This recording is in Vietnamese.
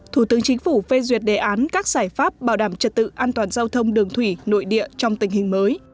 thủ tướng chính phủ phê duyệt đề án các giải pháp bảo đảm trật tự an toàn giao thông đường thủy nội địa trong tình hình mới